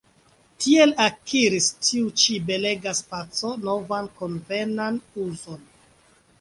Tiel akiris tiu ĉi belega spaco novan konvenan uzon.